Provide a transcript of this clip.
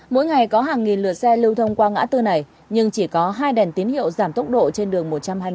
mỗi ngày có hàng nghìn lượt xe lưu thông qua ngã tư này nhưng chỉ có hai đèn tín hiệu giảm tốc độ trên đường một trăm hai mươi